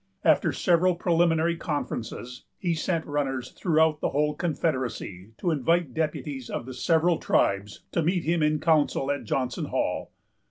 After several preliminary conferences, he sent runners throughout the whole confederacy to invite deputies of the several tribes to meet him in council at Johnson Hall.